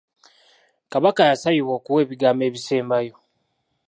Kabaka yasabibwa okuwa ebigambo ebisembayo.